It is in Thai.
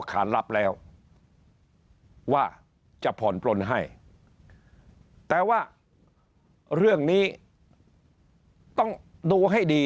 ขานรับแล้วว่าจะผ่อนปลนให้แต่ว่าเรื่องนี้ต้องดูให้ดี